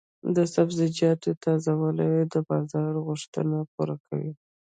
د سبزیجاتو تازه والي د بازار غوښتنې پوره کوي.